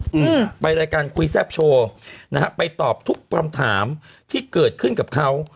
อืมไปรายการคุยแซ่บโชว์นะฮะไปตอบทุกคำถามที่เกิดขึ้นกับเขา